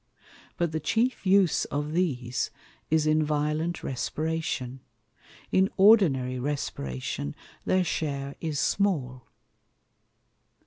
But the chief use of these is in violent Respiration: In ordinary Respiration their share is small.